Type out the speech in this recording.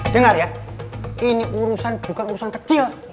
dengar ya ini urusan bukan urusan kecil